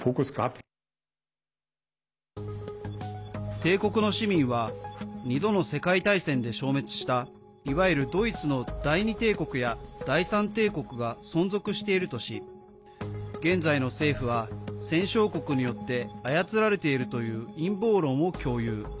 帝国の市民は２度の世界大戦で消滅したいわゆるドイツの第２帝国や第３帝国が存続しているとし現在の政府は、戦勝国によって操られているという陰謀論を共有。